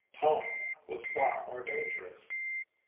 Tone was far more dangerous.